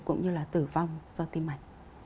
cũng như là tử vong do tim mạch